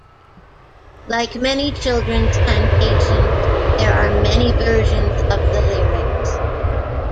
Like many children's cantations, there are many versions of the lyrics.